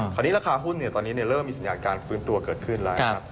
พอนี้ราคาหุ้นเริ่มมีสัญญาการฟื้นตัวกร์เกิดขึ้นแล้วครับ